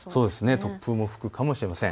突風も吹くかもしれません。